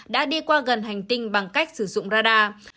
đã đi qua gần hành tinh bằng cách sử dụng radar